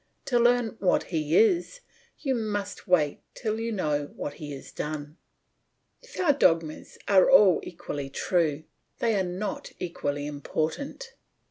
To learn what He is, you must wait till you know what He has done." If our dogmas are all equally true, they are not equally important.